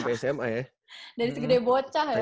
dari segedeh bocah ya